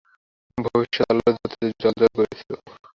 ভবিষ্যৎ আলোর জ্যোতিতে জ্বলজ্বল করছিল।